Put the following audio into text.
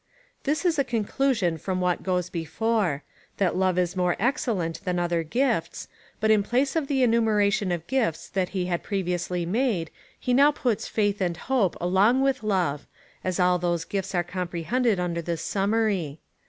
This is a con clusion from what goes before — that love is more excellent than other gifts ; but in j^lace of the enumeration of gifts that he had previously made, he now puts faith and hojje ■ along with love, as all those gifts are comprehended under this summary.